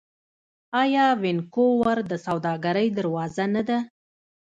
آیا وینکوور د سوداګرۍ دروازه نه ده؟